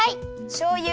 しょうゆ。